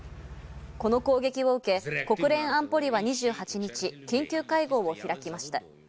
この攻撃を受け、国連安保理は２８日、緊急会合を開きました。